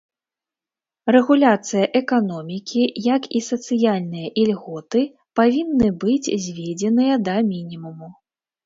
Рэгуляцыя эканомікі, як і сацыяльныя ільготы павінны быць зведзеныя да мінімуму.